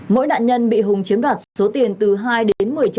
mỗi đạn nhân bị hùng chiếm đạt số tiền từ hai đến một mươi triệu